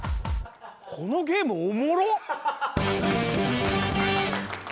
このゲームおもろ！